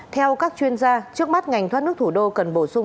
theo các chuyên gia trước mắt ngành thoát nước thủ đô cần bổ sung